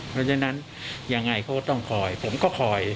เพราะฉะนั้นยังไงเขาก็ต้องคอยผมก็คอย